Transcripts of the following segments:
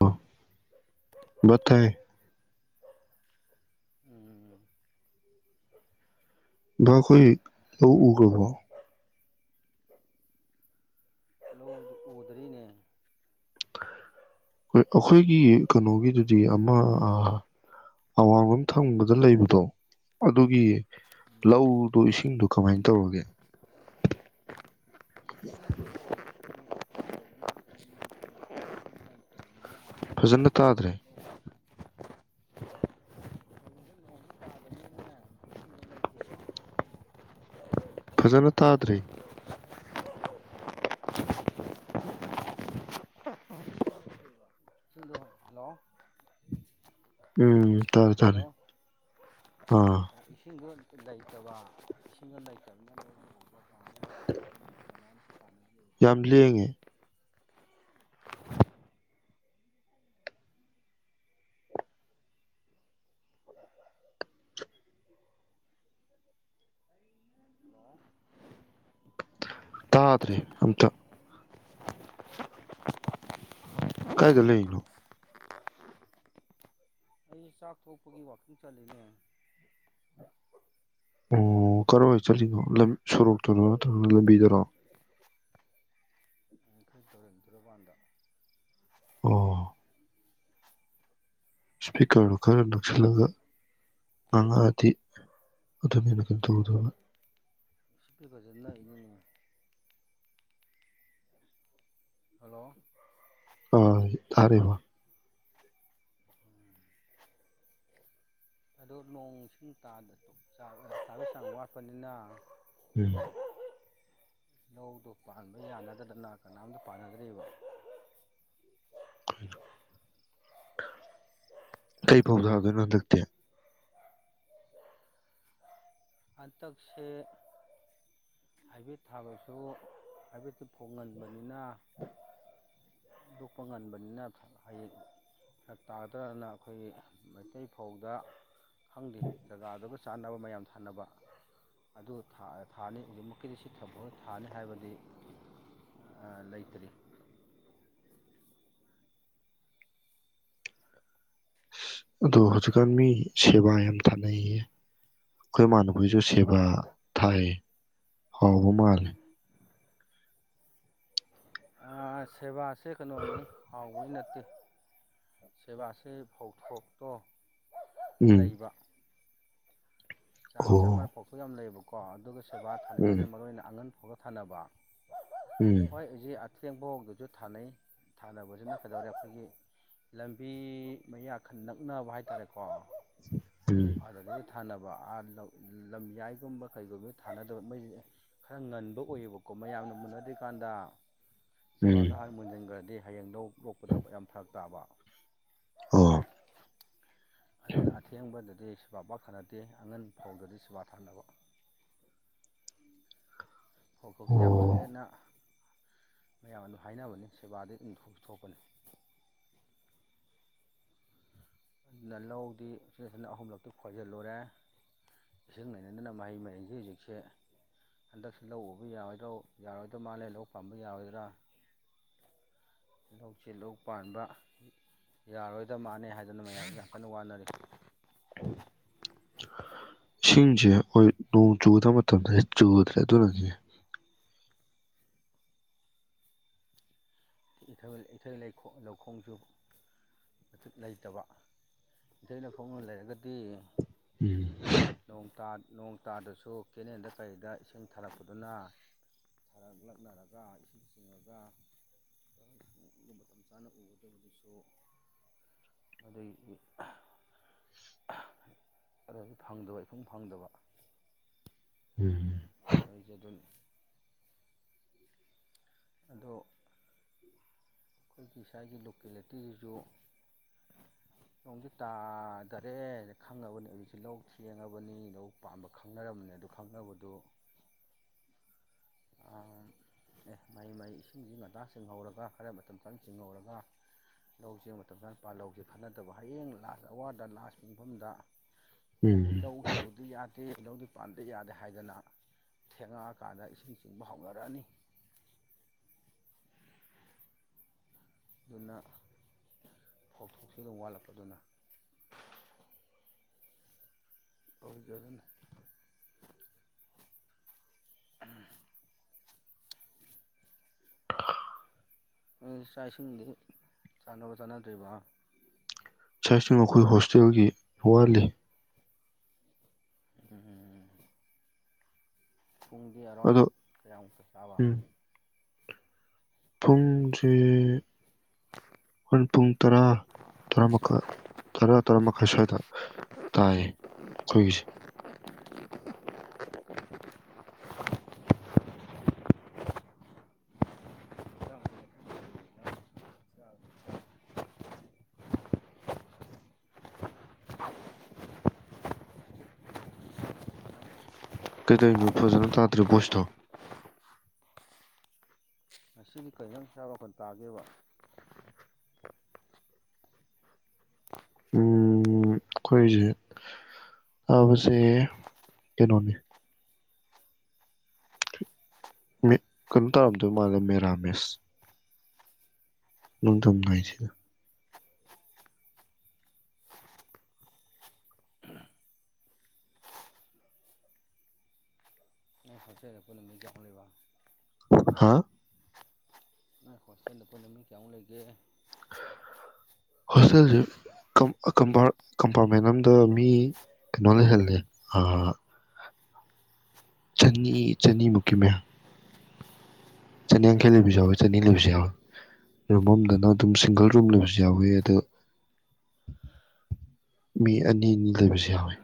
ꯑꯣ ꯕꯣꯊꯦ ꯎꯝ [unintelligible] ꯈꯣꯏ ꯂꯧ ꯎꯈ꯭ꯔꯕꯣ ꯂꯧꯖꯨ ꯎꯗ꯭ꯔꯤꯅꯦ ꯍꯣꯏ ꯑꯈꯣꯏꯒꯤ ꯀꯩꯅꯣꯒꯤꯗꯨꯗꯤ ꯑꯃ ꯑꯥ ꯑꯋꯥꯡꯂꯣꯝ ꯊꯪꯕꯗ ꯂꯩꯕꯗꯣ ꯑꯗꯨꯒꯤ ꯂꯧꯗꯣ ꯁꯤꯡꯗꯣ ꯀꯃꯥꯏꯅ ꯇꯧꯔꯒꯦ ꯐꯖꯅ ꯇꯗ꯭ꯔꯦ ꯐꯖꯅ ꯇꯗ꯭ꯔꯦ [unintelligible] ꯍꯜꯂꯣ ꯎꯝ ꯇꯔꯦ ꯇꯔꯦ ꯍꯜꯂꯣ ꯑꯥ ꯏꯁꯤꯡꯗꯣ ꯂꯩꯇꯕ ꯏꯁꯤꯡꯗꯣ ꯂꯩꯇꯕꯅꯤꯅ ꯂꯧꯗꯣ [unintelligible] [inaudible] ꯌꯥꯝ ꯂꯦꯡꯉꯦ ꯇꯥꯗ꯭ꯔꯦ ꯑꯝꯇ ꯀꯥꯏꯗ ꯂꯩꯩꯅꯣ ꯑꯩ ꯆꯥꯛ ꯊꯣꯛꯄꯒꯤ ꯋꯥꯛꯀꯤꯡ ꯆꯠꯂꯤꯅꯦ ꯑꯣ ꯀꯔꯋꯥꯏ ꯆꯠꯂꯤꯅꯣ ꯂꯝ ꯁꯣꯔꯣꯛꯇꯔꯣ ꯅꯠꯇ꯭ꯔꯒꯅ ꯂꯝꯕꯤꯗꯔꯣ ꯌꯥꯡꯈꯩ ꯇꯧꯔꯦꯟ ꯇꯣꯔꯕꯥꯥꯟꯗ ꯑꯣ ꯏꯁꯄꯤꯀꯔꯗꯣ ꯈꯔ ꯅꯛꯁꯤꯜꯂꯒ ꯉꯥꯡꯉꯛꯑꯗꯤ ꯑꯗꯨꯅ [unintelligible] ꯏꯁꯄꯤꯀꯔꯁꯨ ꯅꯛꯏꯅꯤꯅꯦ ꯍꯜꯂꯣ ꯑ ꯇꯥꯔꯤꯕꯣ ꯑꯗꯣ ꯅꯣꯡꯁꯤꯡ ꯇꯥꯗꯗꯣ ꯆꯥꯕ ꯁꯥꯕꯩ ꯆꯥꯡ ꯋꯥꯠꯄꯅꯤꯅ ꯎꯝ ꯂꯧꯗꯣ ꯄꯥꯟꯕ ꯌꯥꯅꯗꯗꯅ ꯀꯅꯥꯝꯇ ꯄꯥꯟꯅꯗ꯭ꯔꯦꯕ ꯀꯩ ꯐꯧ ꯊꯥꯗꯣꯢꯅꯣ ꯍꯟꯗꯛꯇꯤ ꯍꯟꯇꯛꯁꯦ ꯍꯥꯏꯕ꯭ꯔꯤꯠ ꯊꯥꯕꯁꯨ ꯍꯥꯏꯕ꯭ꯔꯤꯠꯇꯨ ꯐꯧ ꯉꯟꯕꯅꯤꯅ ꯂꯣꯛꯄ ꯉꯟꯕꯅꯤꯅ ꯍꯌꯦꯡ ꯐꯔꯛ ꯇꯥꯗ꯭ꯔꯅ ꯑꯩꯈꯣꯏꯒꯤ ꯃꯩꯇꯩ ꯐꯧꯗ ꯈꯪꯗꯦ ꯖꯒꯥꯗꯨꯒ ꯆꯥꯟꯅꯕ ꯃꯌꯥꯝ ꯊꯥꯅꯕ ꯑꯗꯨ ꯊꯥ ꯊꯥꯅꯤ ꯍꯧꯖꯤꯛꯃꯛ [unintelligible] ꯊꯥꯅꯤ ꯍꯥꯏꯕꯗꯤ ꯑ ꯂꯩꯇ꯭ꯔꯤ ꯑꯗꯣ ꯍꯧꯖꯤꯛꯀꯥꯟ ꯃꯤ ꯁꯦꯕꯥ ꯌꯥꯝ ꯊꯥꯅꯩꯌꯦꯌꯦ ꯈꯣꯏ ꯏꯃꯥꯟꯅꯕꯍꯣꯢꯁꯨ ꯁꯦꯕꯥ ꯊꯥꯏ ꯍꯥꯎꯕ ꯃꯥꯂꯦ ꯑ ꯁꯦꯕꯥꯁꯦ ꯀꯩꯅꯣꯅꯦ ꯍꯥꯎꯕꯒꯤ ꯅꯠꯇꯦ ꯁꯦꯕꯥꯥꯁꯦ ꯐꯧꯊꯣꯛꯇꯣ ꯎꯝ ꯂꯩꯕ ꯆꯥꯡ ꯆꯞ ꯑꯣ ꯃꯥꯟꯅ ꯐꯧꯊꯣꯛ ꯌꯥꯝ ꯂꯩꯌꯦꯕꯀꯣ ꯑꯗꯨꯒ ꯁꯦꯕꯥ ꯎꯝ [unintelligible] ꯃꯔꯨ ꯑꯣꯏꯅ ꯑꯉꯟ ꯐꯧꯗ ꯊꯟꯅꯅꯕ ꯎꯝ ꯍꯣꯏ ꯍꯧꯖꯤꯛ ꯑꯊꯦꯡꯕꯕꯧꯗꯁꯨ ꯊꯥꯅꯩ ꯊꯥꯅꯕꯁꯤꯅ ꯀꯩꯗꯧꯔꯦ ꯑꯩꯈꯣꯏꯒꯤ ꯂꯝꯕꯤ ꯃꯌꯥ ꯈꯔ ꯅꯛꯅꯕ ꯍꯥꯏꯇꯥꯔꯦꯀꯣ ꯎꯝ ꯑꯗꯒꯤ ꯊꯥꯅꯕ ꯥꯑꯥ ꯂꯧ ꯂꯝꯌꯥꯏꯒꯨꯝꯕ ꯀꯩꯒꯨꯝꯕ ꯊꯥꯅꯗꯕ ꯃꯩ ꯈꯔ ꯉꯟꯕ ꯑꯣꯏꯌꯦꯕꯀꯣ ꯃꯌꯥꯝꯅ ꯃꯨꯟꯅꯗ꯭ꯔꯤꯀꯥꯟꯗ ꯎꯝ ꯁꯦꯕꯥꯗ ꯍꯥꯟꯅ ꯃꯨꯟꯖꯟꯒ꯭ꯔꯗꯤ ꯍꯌꯦꯡ ꯂꯧ ꯂꯣꯛꯄꯗ ꯌꯥꯝ ꯐꯔꯛ ꯇꯥꯕ ꯑꯣ ꯑꯗꯨꯅ ꯑꯊꯦꯡꯕꯗꯗꯤ ꯁꯦꯕꯥ ꯄꯥꯛ ꯊꯥꯅꯗꯦ ꯑꯉꯟ ꯐꯧꯗꯗꯤ ꯁꯦꯕꯥ ꯊꯥꯅꯕ ꯐꯧꯊꯣꯛꯇꯤ ꯌꯥꯝ ꯊꯣꯛ ꯑꯣ ꯍꯦꯟꯅ ꯃꯌꯥꯝ ꯑꯗꯨꯝ ꯍꯥꯏꯅꯕꯅꯦ ꯁꯦꯕꯥꯗꯤ ꯑꯗꯨꯝ ꯊꯣꯛꯇꯤ ꯊꯣꯛꯄꯅꯦ ꯂ ꯂꯧꯗꯤ ꯎꯆꯤꯟ ꯅꯥꯆꯤꯟꯅ ꯑꯍꯨꯝꯂꯛꯇꯤ ꯈꯣꯏꯖꯤꯜꯂꯨꯔꯦ ꯏꯁꯤꯡ ꯂꯩꯅꯗꯅ ꯃꯍꯩ ꯃꯍꯩꯁꯦ ꯍꯧꯖꯤꯛꯁꯦ ꯍꯟꯗꯛꯁꯨ ꯂꯧ ꯎꯕ ꯌꯥꯔꯣꯏꯗ꯭ꯔꯣ ꯌꯥꯔꯣꯏꯗ ꯃꯥꯜꯂꯦ ꯂꯧ ꯄꯥꯝꯕ ꯌꯥꯔꯣꯏꯗ꯭ꯔꯥ ꯂꯧꯁꯦ ꯂꯧ ꯄꯥꯟꯕ ꯌꯥꯔꯣꯏꯗꯕ ꯃꯥꯥꯟꯅꯦ ꯍꯥꯏꯗꯅ ꯃꯌꯥꯝꯁꯦ ꯌꯥꯝ ꯀꯟꯅ ꯋꯥꯅꯔꯤ ꯏꯁꯤꯡꯁꯦ ꯍꯣꯏ ꯅꯣꯡ ꯆꯨꯒꯗꯕ ꯃꯇꯝꯗꯗꯤ ꯆꯨꯗ꯭ꯔꯦ ꯑꯗꯨꯅꯅꯤ ꯏꯊ ꯏꯊꯩ ꯂꯧ ꯂꯧꯈꯣꯡꯖꯨ ꯂꯩꯇꯕ ꯏꯊꯩ ꯂꯧꯈꯣꯡꯗꯣ ꯂꯩꯔꯒꯗꯤ ꯎꯝ ꯅꯣꯡ ꯇꯥ ꯅꯣꯡ ꯇꯥꯗꯁꯨ ꯀꯦꯅꯦꯟꯗ ꯀꯩꯗ ꯏꯁꯤꯡ ꯊꯥꯔꯛ ꯄꯗꯨꯅ ꯈꯔ ꯂꯛꯅꯔꯒ ꯏꯁꯤꯡ ꯆꯤꯡꯉꯒ [unintelligible] ꯃꯇꯝ ꯆꯥꯅ ꯎꯒꯗꯕꯗꯨꯁꯨ ꯑꯗꯩ ꯗꯤ ꯑꯍꯥ ꯑꯗꯨꯑꯣꯏꯖꯨ ꯐꯪꯗꯕ ꯏꯐꯪ ꯐꯪꯗꯕ ꯎꯝ ꯇꯧꯅꯔꯤꯖꯦ ꯑꯗꯨꯟ ꯑꯗꯣ ꯑꯩꯒꯤ ꯁꯥꯏꯒꯤ ꯂꯣꯀꯦꯂ‌ꯦꯇꯤꯖꯨ ꯅꯣꯡꯖ‌ꯦ ꯇꯥ ꯗꯔꯦ ꯖ‌ꯦ ꯈꯪꯉꯕꯅ‌ꯦ ꯍꯧꯖꯤꯛꯁ‌ꯦ ꯂꯧ ꯊꯦꯡꯉꯕꯅꯤ ꯂꯧ ꯄꯥꯝꯕ ꯈꯪꯅꯔꯝꯕꯅꯦ ꯑꯗꯨ ꯈꯪꯅꯕꯗꯨ ꯑꯝ ꯑꯦ ꯃꯍꯩ ꯃꯍꯩ ꯏꯁꯤꯡꯖꯤ ꯉꯟꯇꯥ ꯆꯤꯡꯍꯧꯔꯒ ꯈꯔ ꯃꯇꯝ ꯆꯪ ꯆꯤꯡꯉꯧꯔꯒ ꯂꯧꯖ‌ꯦ ꯃꯇꯝ ꯆꯥꯟ ꯄꯥꯜꯂꯧꯖ‌ꯦ ꯈꯟꯅꯗꯕ ꯍꯌꯦꯡ ꯂꯥꯁ ꯑꯋꯥꯔꯗ ꯂꯥꯁ ꯄꯨꯡꯕꯝꯗ ꯎꯝ ꯂꯧꯗꯤ ꯎꯗ ꯌꯥꯗꯦ ꯂꯧꯗꯤ ꯄꯥꯟꯗ ꯌꯥꯗꯦ ꯍꯥꯏꯗꯅ ꯊꯦꯡꯉꯑꯀꯥꯟꯗ ꯏꯁꯤꯡ ꯊꯤꯡꯕ ꯍꯧꯅ ꯔꯑꯅꯤ ꯗꯨꯅ ꯐꯧ ꯊꯣꯛꯁꯤ ꯑꯗꯨꯝ ꯋꯥꯂꯛꯄ ꯗꯨꯅ ꯇꯧꯗꯔꯒꯟꯅ [unintelligible] ꯅꯣꯏ ꯆꯥ ꯏꯁꯤꯡꯗꯤ ꯆꯥꯟꯅꯕ ꯆꯥꯟꯅꯗ꯭ꯔꯤꯕ ꯁꯁꯤ ꯃꯈꯣꯏ ꯍꯣꯁꯇꯦꯜꯒꯤ ꯋꯥ ꯂꯩ [unintelligible] ꯄꯨꯡꯗꯤ ꯑ‌ꯦ ꯑꯗꯣ ꯔꯥꯎꯟꯗ ꯀꯌꯥꯃꯨꯛꯇ ꯆꯥꯕ ꯐꯨꯡ ꯁ‌ꯦ ꯍꯣꯔꯦꯟ ꯄꯨꯡ ꯇꯔꯥ ꯇꯔꯥ ꯃꯈꯥꯏ ꯇꯔꯥ ꯇꯔꯥ ꯃꯈꯥꯏ ꯁꯥꯏꯗ ꯇꯥꯏ ꯈꯣꯏꯒꯤꯁ ꯀꯩꯗꯩꯅꯣ ꯐꯖꯅ ꯇꯥꯗ꯭ꯔꯦ ꯚꯣꯏ꯭ꯁ ꯇꯣ ꯉꯁꯤꯒꯤ ꯀꯩ ꯏꯖꯥꯡ ꯆꯥꯕ ꯈꯣꯟ ꯇꯥꯒꯦꯕ ꯎꯝ ꯑꯈꯣꯏꯖ‌ꯦ ꯑꯥꯕꯖ‌ꯩ ꯀ‌ꯦꯅꯣꯅꯦ ꯃ‌ꯦ ꯀꯟꯅꯣ ꯇꯥꯔꯝꯗ‌ꯣꯏ ꯃꯥꯂꯦ ꯃꯦꯔꯥꯃꯦꯁ ꯅ‌ꯣꯡꯗꯝ ꯎꯝ ꯅꯥꯏꯖ‌ꯦ ꯍꯣꯁꯇꯦꯜꯗ ꯄꯨꯟꯅ ꯃꯩ ꯆꯥꯛꯅ ꯂꯩꯕ ꯍꯥ ꯅꯣꯏ ꯍꯣꯁꯇꯦꯟꯗ ꯄꯨꯟꯅ ꯃꯤ ꯀꯌꯥꯃꯨꯛ ꯂꯩꯒꯦ ꯍꯣꯁꯇꯦꯜꯖ‌ꯦ ꯀꯝ ꯑ ꯀꯝꯄꯥꯔ ꯀꯝꯄꯥꯔꯃꯦꯟ ꯑꯝꯗ ꯃꯤ ꯀ‌ꯦꯅꯣ ꯂꯩꯍꯜꯂꯦ ꯑꯥ ꯆꯅꯤ ꯆꯅꯤ ꯃꯨꯛꯀꯤ ꯃꯌꯥ ꯆꯅꯤ ꯌꯥꯡꯈꯩ ꯂꯩꯕꯖꯨ ꯌꯥꯎꯋꯤ ꯆꯅꯤ ꯂꯩꯕꯖꯨ ꯌꯥꯎ ꯔꯨꯝ ꯑꯝꯗꯅ ꯑꯗꯨꯝ ꯁꯤꯡꯒꯜ ꯔꯨꯝ ꯂꯩꯕꯖꯨ ꯌꯥꯎꯋꯤ ꯑꯗꯣ ꯃꯤ ꯑꯅꯤ ꯅꯤ ꯂꯩꯕꯖꯨ ꯌꯥꯎꯋꯦ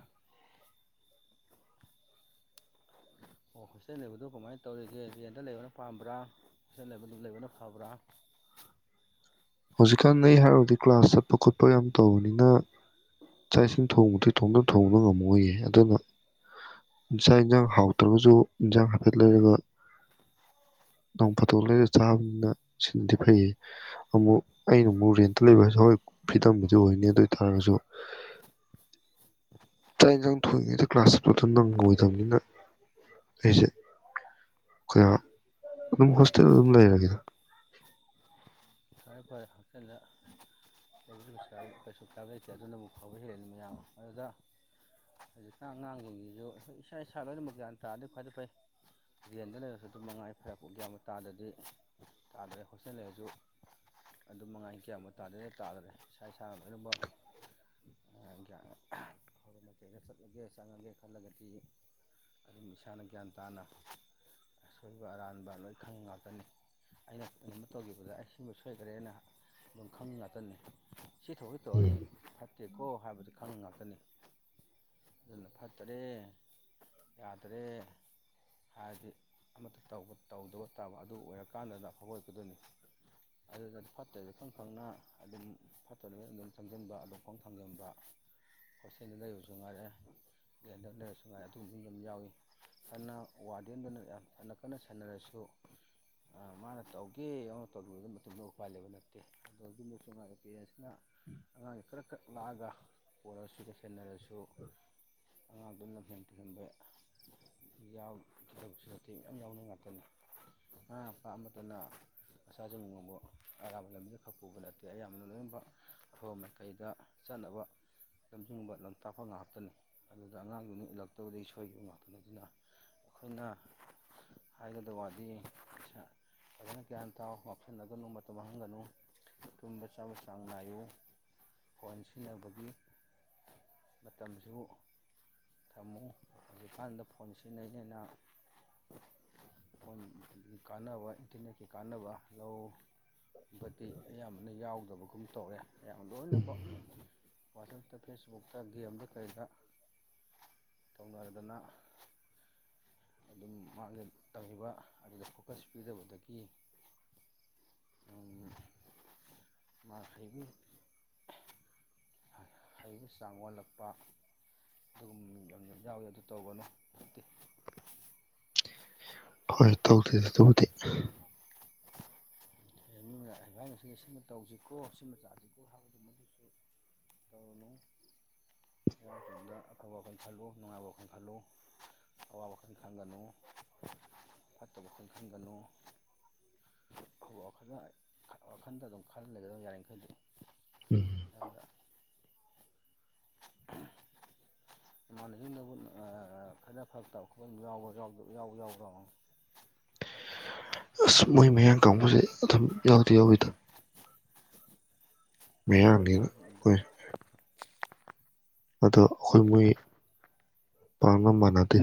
ꯑꯣ ꯍꯣꯁꯇꯦꯟ ꯂꯩꯕꯗꯨ ꯀꯃꯥꯏꯟ ꯇꯧꯔꯤꯒꯦ ꯔ‌ꯦꯟꯗ ꯂꯩꯕꯅ ꯄꯥꯝꯕ꯭ꯔꯥ ꯍꯣꯁꯇꯦꯜ ꯂꯩꯕ ꯗꯨ ꯂꯩꯕꯅ ꯐꯕ꯭ꯔꯥ ꯍꯧꯖꯤꯛꯀꯥꯟ ꯅꯩ ꯍꯥꯏꯔꯨꯔꯗꯤ ꯀ꯭ꯂꯥꯁ ꯆꯠꯄ ꯈꯣꯠꯄ ꯌꯥꯝ ꯇꯧꯕꯅꯤꯅ ꯆꯥꯛ ꯏꯁꯤꯡ ꯊꯣꯡꯗꯤ ꯊꯣꯡꯗ ꯊꯣꯡꯕ ꯉꯝꯃꯣꯏꯌꯦ ꯑꯗꯨꯅ ꯆꯥ ꯏꯟꯖꯥꯡ ꯍꯥꯎꯇ꯭ꯔꯒꯖꯨ ꯏꯟꯖꯥꯡ ꯍꯥꯏꯐꯦꯠ ꯂꯩꯔꯒ ꯅꯣꯡ ꯐꯥꯗꯣꯛ ꯂꯩꯔ ꯆꯥꯕꯅ ꯁꯤꯟꯅꯗꯤ ꯐꯩꯌꯦ ꯑꯃꯨꯛ ꯑꯩ ꯑꯃꯨꯛ ꯔꯦꯟꯇ ꯂꯩꯕ ꯍꯥꯏꯁꯦ ꯍꯣꯏ ꯐ꯭ꯔꯤꯗꯝꯕꯨꯗꯤ ꯑꯣꯏꯅꯤ ꯑꯗꯨ ꯑꯣꯏꯇꯥꯥꯔꯒꯁꯨ ꯆꯥꯛ ꯏꯟꯁꯥꯡ ꯐꯪꯉꯤꯗꯣ ꯀ꯭ꯂꯥꯁ ꯆꯄꯗ ꯅꯪꯉꯣꯏꯗꯕꯅꯤꯅ ꯑꯩꯁꯦ [unintelligible] ꯑꯗꯨꯝ ꯍꯣꯁꯇꯦꯜꯗ ꯑꯗꯨꯝ ꯂꯩꯔꯒꯦꯗ ꯐꯔꯦ ꯐꯔꯦ ꯍꯛꯆꯜꯂ ꯀꯩꯁꯨ ꯀꯩꯁꯨꯀꯥꯏ ꯀꯩꯁꯨꯀꯥꯏꯕ ꯂꯩꯇꯦ ꯑꯗꯨꯅꯕꯨ ꯐꯕ ꯍꯦꯜꯂꯤ ꯃꯌꯥꯝ ꯑꯗꯨꯗ ꯍꯧꯖꯤꯛꯀꯥꯟ ꯑꯉꯥꯡꯁꯤꯡꯁꯤꯁꯨ ꯏꯁꯥ ꯏꯁꯥ ꯂꯣꯏꯅꯃꯛ ꯒ꯭ꯌꯥꯟ ꯇꯥꯔꯗꯤ ꯈ꯭ꯋꯥꯏꯗꯩ ꯐꯩ ꯔꯦꯟꯗ ꯂꯩꯔꯁꯨ ꯑꯗꯨ ꯃꯉꯥꯏ ꯐꯔ [unintelligible] ꯒ꯭ꯌꯥꯟꯕꯨꯕ ꯇꯥꯗ꯭ꯔꯗꯤ ꯇꯥꯗ꯭ꯔꯦ ꯍꯣꯁꯇꯦꯜ ꯂꯩꯔꯁꯨ ꯑꯗꯨ ꯃꯉꯥꯏ ꯒ꯭ꯌꯥꯟꯕꯨ ꯇꯥꯗ꯭ꯔꯗꯤ ꯇꯥꯗꯔꯦ ꯏꯁꯥ ꯏꯁꯥꯅ ꯂꯣꯏꯅꯃꯛ ꯑ ꯒ꯭ꯌꯥꯟ [unintelligible] ꯆꯠꯂꯒꯦ ꯆꯪꯉꯒꯦ ꯈꯜꯂꯒꯗꯤ ꯑꯗꯨꯝ ꯏꯁꯥꯅ ꯒ꯭ꯌꯥꯟ ꯇꯥꯅ ꯑꯁꯣꯏꯕ ꯑꯔꯥꯟꯕ ꯂꯣꯏ ꯈꯪꯉꯤ ꯉꯥꯛꯇꯅꯤ ꯑꯩꯅ ꯀꯩꯅꯣꯝꯃ ꯇꯧꯒꯤꯕꯗ ꯑꯩꯁ ꯁꯤꯃ ꯁꯣꯏꯈꯔꯦꯅ ꯑꯗꯨꯝ ꯈꯪꯏ ꯉꯥꯛꯇꯅꯤ ꯁꯤ ꯊꯧꯑꯣꯏ ꯇꯧꯔꯗꯤ ꯎꯝ ꯐꯠꯇꯦ ꯀꯣ ꯍꯥꯏꯕꯗꯨ ꯈꯪꯉꯤ ꯉꯥꯛꯇꯅꯤ ꯑꯗꯨꯅ ꯐꯠꯇꯔꯦ ꯌꯥꯗꯔꯦ ꯍꯥꯏꯔꯗꯤ ꯑꯃꯠꯇ ꯇꯧꯕ ꯇꯧꯗꯕ ꯇꯥꯕ ꯑꯗꯨ ꯑꯣꯏꯔꯀꯥꯟꯗꯗ ꯑꯐꯕ ꯑꯣꯢꯔꯛꯇꯣꯢꯅꯤ ꯑꯗꯨꯗ ꯐꯠꯇꯦꯁꯦ ꯈꯪ ꯈꯪꯅ ꯑꯗꯨꯝ ꯐꯠꯇꯕꯗ ꯑꯗꯨꯝ ꯆꯪꯁꯤꯟꯕ ꯑꯗꯨꯞ ꯈꯣꯡ ꯊꯥꯡꯖꯤꯟꯕ ꯍꯣꯁꯇꯦꯜꯗ ꯂꯩꯕꯁꯨ ꯉꯥꯏꯔꯦ ꯔꯦꯟꯗ ꯂꯩꯔꯁꯨ ꯉꯥꯏꯔꯦ ꯑꯗꯨꯨꯝꯕꯃꯤ ꯑꯃ ꯌꯥꯎꯏ ꯐꯥꯅ ꯋꯥꯔꯗꯦꯟꯗꯨꯅ ꯌꯥꯝ ꯐꯅ ꯀꯟꯅ ꯁꯦꯟꯅꯔꯁꯨ ꯑꯥ ꯃꯥꯅ ꯇꯧꯒꯦ ꯌꯥꯎꯅ ꯇꯧꯕ ꯗꯨꯝꯕ ꯑꯗꯨꯃꯛ ꯎꯄꯥꯏ ꯂꯩꯕ ꯅꯠꯇꯦ ꯑꯗꯣ ꯍꯧꯖꯤꯃꯛꯁꯨ ꯄꯤ ꯑꯦꯁ ꯅ ꯑꯉꯥꯡꯁꯦ ꯀꯔꯛ ꯀꯔꯛ ꯂꯥꯛꯑꯒ [unintelligible] ꯁꯦꯟꯅꯔꯁꯨ ꯑꯉꯥꯡꯗꯨꯅ ꯂꯝꯍꯦꯟ ꯇꯨꯍꯦꯟ [unintelligible] ꯌꯥꯎꯗꯕꯁꯨ ꯅꯠꯇꯦ ꯃꯌꯥꯝ ꯌꯥꯎꯅꯩ ꯉꯥꯛꯇꯅꯤ ꯃꯃꯥ ꯃꯄꯥ ꯑꯃꯠꯇꯅ ꯃꯆꯥꯁꯤꯡꯕꯨ [unintelligible] ꯑꯔꯥꯟꯕ ꯂꯝꯕꯤꯗ ꯈꯥꯛ ꯄꯨꯕ ꯅꯠꯇꯦ ꯑꯌꯥꯝꯕꯅ ꯂꯣꯏꯅꯃꯛ ꯑꯐꯕ ꯃꯥꯏꯀꯩꯗ ꯆꯠꯅꯕ ꯂꯝꯖꯤꯡꯕ ꯂꯝꯇꯥꯛꯄ ꯉꯥꯛꯇꯅꯤ ꯑꯗꯨꯗ ꯑꯉꯥꯡꯗꯨꯅꯤ ꯏꯜꯂꯛꯇꯕꯗꯒꯤ ꯁꯣꯏꯈꯤꯕ ꯉꯥꯛꯇꯅꯤ ꯑꯗꯨꯅ ꯑꯈꯣꯏꯅ ꯍꯥꯏꯒꯗꯕ ꯋꯥꯗꯤ ꯄꯩꯁꯥ ꯐꯖꯅ ꯒ꯭ꯌꯥꯟ ꯇꯥꯎ ꯉꯥꯎꯁꯤꯟꯅꯒꯅꯨ ꯃꯇ ꯃꯥꯡꯍꯟꯒꯅꯨ ꯇꯨꯝꯕ ꯆꯥꯕ ꯆꯥꯡ ꯅꯥꯏꯌꯨ ꯐꯣꯟ ꯁꯤꯖꯤꯟꯅꯕꯒꯤ ꯃꯇꯝꯁꯨ ꯊꯝꯃꯨ ꯍꯧꯖꯤꯛꯀꯥꯟꯗ ꯐꯣꯟ ꯁꯤꯖꯤꯟꯅꯩꯅꯦꯅ ꯐꯣꯟ ꯀꯥꯟꯅꯕ ꯏꯟꯇ꯭ꯔꯅꯦꯠꯀꯤ ꯀꯥꯟꯅꯕ ꯂꯧ ꯕꯗꯤ ꯑꯌꯥꯝꯕꯅ ꯌꯥꯎꯗꯕꯒꯨꯝ ꯇꯧꯌꯦ ꯑꯌꯥꯝ ꯎꯝ ꯂꯣꯏꯅꯃꯛ ꯋꯥꯆꯞ ꯐꯦꯁꯕꯨꯛꯇ ꯒꯦꯝꯗ ꯀꯔꯤꯗ ꯇꯧꯅꯔꯗꯅ ꯑꯗꯨꯝ ꯃꯥꯒꯤ ꯇꯝꯃꯤꯕ ꯑꯗꯨꯗ ꯐꯣꯀꯁ ꯄꯤꯗꯕꯗꯒꯤ ꯎꯝ [unintelligible] ꯍꯥ ꯍꯩꯕ ꯆꯥꯡ ꯋꯥꯠꯂꯛꯄ ꯑꯗꯨꯒꯨꯝꯕ ꯃꯤ ꯌꯥꯝ ꯌꯥꯝ ꯌꯥꯎꯋꯤ ꯑꯗꯨ ꯇꯧꯒꯅꯨ ꯐꯠꯇꯦ ꯍꯣꯢ ꯇꯧꯗꯦꯗ ꯗꯨꯕꯨꯗꯤ [unintelligible] ꯁꯤꯃ ꯇꯧꯁꯤꯀꯣ ꯁꯤꯃ ꯆꯥꯁꯤꯀꯣ ꯍꯥꯏꯕꯗ ꯃꯗꯨꯁꯨ ꯇꯧꯔꯨꯅꯨ ꯑꯉꯥꯡ ꯑꯣꯏꯔꯤꯉꯩꯗ ꯑꯐꯕ ꯋꯥꯈꯟ ꯈꯜꯂꯨ ꯅꯨꯡꯉꯥꯏꯕ ꯋꯥꯈꯜ ꯈꯜꯂꯨ ꯑꯋꯥꯕ ꯋꯈꯜ ꯈꯟꯒꯅꯨ ꯐꯠꯇꯕ ꯋꯈꯜ ꯈꯟꯒꯅꯨ ꯑꯐꯕ ꯋꯥꯈꯜꯗ ꯋꯥꯈꯟꯗ ꯗꯨꯝ ꯈꯜꯂꯩꯔꯒ ꯌꯥꯔꯤꯃꯈꯩꯗꯤ ꯎꯝ ꯌꯥꯝꯅ ꯏꯃꯥꯟꯅꯁꯤꯟꯅꯕꯨ ꯐꯖꯅ ꯐꯛꯇꯕ ꯈꯣꯠ ꯌꯥꯎꯕ ꯌꯥꯎꯕ ꯌꯥꯎꯗ ꯑꯁ ꯃꯣꯏ ꯃꯌꯥꯡ ꯀꯥꯡꯕꯨꯁꯦ ꯑꯗꯨꯝ ꯌꯥꯎꯗꯤ ꯌꯥꯎꯋꯤꯗ ꯃꯤꯌꯥꯡꯅꯦꯕ ꯑꯩꯈꯣꯏ ꯑꯗꯣ ꯑꯈꯣꯏ ꯃꯣꯏ ꯑꯗꯨꯒ ꯄꯥꯝꯕ ꯃꯥꯟꯅꯗꯦ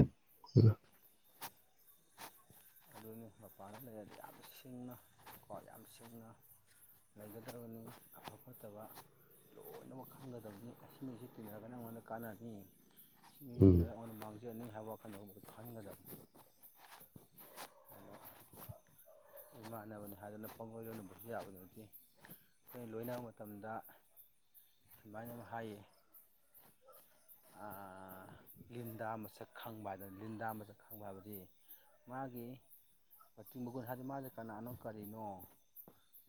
ꯗꯨꯅꯤ ꯃꯄꯥꯟꯗ ꯂꯩꯔꯗꯤ ꯌꯥꯝ ꯁꯤꯡꯅ ꯀꯣ ꯌꯥꯝ ꯁꯤꯡꯅ ꯂꯩꯒꯗꯕꯅꯤ ꯐꯕ ꯐꯠꯇꯕ ꯂꯣꯏꯅꯃꯛ ꯈꯪꯒꯗꯕꯅꯤ ꯑꯁꯤꯅ ꯁꯤ ꯇꯤꯟꯅꯔꯛꯄꯅ ꯑꯪꯉꯣꯟꯗ ꯀꯥꯟꯅꯔꯛꯒꯅꯤ ꯃꯤ ꯎꯝ ꯇꯤꯟꯅꯔꯒ ꯑꯩꯉꯣꯟꯗ ꯃꯥꯡꯖꯅꯤ ꯍꯥꯏꯕ ꯋꯥꯈꯜꯗ ꯈꯟꯒꯗꯕꯅꯤ ꯏꯃꯥꯟꯅꯕꯅꯤ ꯍꯥꯏꯗꯅ ꯄꯪꯂꯣꯏ ꯂꯣꯏꯅꯕꯁꯨ ꯌꯥꯕ ꯅꯠꯇꯦ ꯑꯈꯣꯏ ꯂꯣꯏꯅꯕ ꯃꯇꯝꯗ ꯁꯨꯃꯥꯏꯅ ꯑꯃ ꯍꯥꯏꯌꯦ ꯑꯥ ꯂꯤꯟꯗ ꯃꯁꯛ ꯈꯪꯕ ꯍꯥꯏꯕ ꯂꯤꯟꯗꯥ ꯃꯁꯛ ꯈꯪꯕ ꯍꯥꯏꯕꯗꯤ ꯃꯥꯒꯤ ꯃꯇꯤꯛ ꯃꯒꯨꯟ ꯍꯥ ꯃꯥꯁꯦ ꯀꯅꯥꯅꯣ ꯀꯔꯤꯅꯣ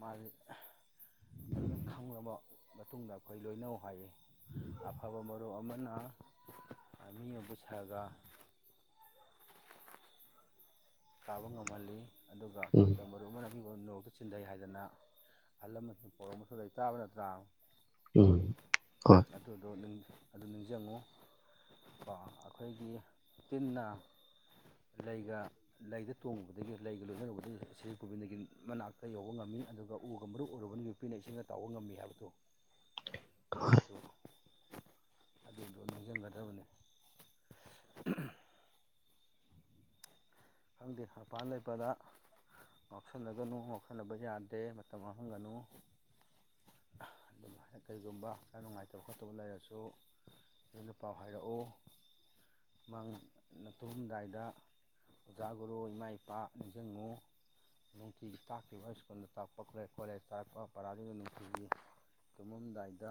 ꯃꯥꯁꯦ ꯐꯖꯅ ꯈꯪꯂꯕ ꯃꯇꯨꯡꯗ ꯑꯈꯣꯏ ꯂꯣꯏꯅꯧ ꯍꯥꯏꯌꯦ ꯑꯐꯕ ꯃꯔꯨꯞ ꯑꯃꯅ ꯃꯤ ꯑꯃꯕꯨ ꯁꯥꯔꯒ ꯀꯥꯕ ꯉꯝꯍꯜꯂꯤ ꯑꯗꯨꯒ ꯎꯝ ꯐꯠꯇꯕ ꯐꯠꯇꯕ ꯑꯃꯅ ꯃꯤ ꯑꯃꯕꯨ ꯅꯣꯔꯣꯛꯇ ꯆꯤꯟꯊꯩ ꯍꯥꯏꯗꯅ ꯑꯍꯜ ꯂꯃꯟꯁꯤꯡ ꯄꯣꯎꯔꯧ ꯑꯃꯁꯨ ꯂꯩ ꯇꯥꯕ ꯅꯠꯇ꯭ꯔꯥ ꯎꯝ ꯍꯣꯏ ꯑꯗꯨꯗꯣ ꯑꯗꯨꯝ ꯑꯗꯨ ꯅꯤꯡꯁꯤꯡꯉꯣ ꯀꯣ ꯑꯈꯣꯏꯒꯤ ꯇꯤꯟꯅ ꯂꯩꯒ ꯂꯩꯗ ꯇꯣꯡꯉꯨꯕꯗꯒꯤ ꯂꯩꯒ ꯂꯣꯏꯅꯔꯨꯕꯗꯒꯤ ꯁ꯭ꯔꯤ ꯒꯣꯕꯤꯟꯒꯤ ꯃꯅꯥꯛꯇ ꯌꯧꯕ ꯉꯝꯃꯤ ꯑꯗꯨꯒ ꯎꯒ ꯃꯔꯨꯞ ꯑꯣꯏꯔꯨꯕꯅꯤ ꯌꯨꯄꯤꯅ ꯏꯁꯤꯡꯗ ꯇꯥꯎꯕ ꯉꯝꯃꯤ ꯍꯥꯏꯕꯗꯣ ꯑꯗꯨ [inaudible] ꯑꯗꯨꯗꯣ ꯅꯤꯡꯁꯤꯡꯒꯗꯕꯅꯤ ꯈꯪꯗꯦ ꯃꯄꯥꯟ ꯂꯩꯕꯒ ꯉꯥꯎꯁꯟꯅꯒꯅꯨ ꯉꯥꯎꯁꯟꯅꯕ ꯌꯥꯗꯦ ꯃꯇꯝ ꯃꯥꯡꯍꯟꯒꯅꯨ ꯑꯗꯨꯝ ꯀꯔꯤꯒꯨꯝꯕ ꯍꯛꯆꯥꯡ ꯅꯨꯡꯉꯥꯏꯇꯕ ꯈꯣꯠꯇꯕ ꯂꯩꯔꯁꯨ ꯑꯗꯨꯅ ꯄꯥꯎ ꯍꯥꯏꯔꯛꯑꯣ ꯃꯪ ꯅ ꯇꯨꯝꯃꯝꯗꯥꯏꯗ ꯑꯣꯖꯥ ꯒꯨꯔꯨ ꯏꯃꯥ ꯏꯄꯥ ꯅꯤꯡꯁꯤꯡꯉꯨ ꯅꯨꯡꯇꯤꯒꯤ ꯇꯥꯛꯈꯤꯕ ꯁ꯭ꯀꯨꯜ ꯇꯥꯥꯛꯄ ꯀꯣꯂꯦꯁꯇ ꯇꯥꯛꯄ ꯄꯔꯥꯁꯤꯡꯗꯨ ꯅꯨꯡꯇꯤꯒꯤ ꯇꯨꯝꯃꯝꯗꯥꯏꯗ